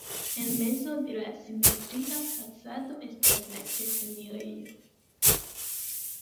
En mezo de la simetria fasado estas la ĉefenirejo.